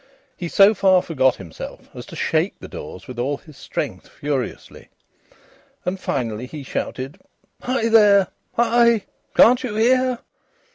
He so far forgot himself as to shake the doors with all his strength furiously. And finally he shouted: "Hi there! Hi! Can't you hear?"